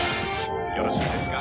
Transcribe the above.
「よろしいですか？